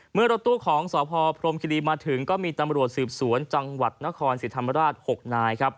เมื่อรถตู้ของสพพรมคิรีมาถึงก็มีตำรวจสืบสวนจังหวัดนครศรีธรรมราช๖นายครับ